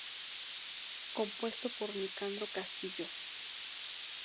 Compuesto por Nicandro Castillo.